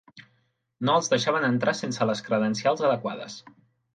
No els deixaven entrar sense les credencials adequades.